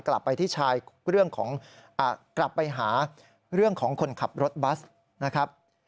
กลับไปที่ชายเรื่องของกลับไปหาเรื่องของคนขับรถบัสนะครับ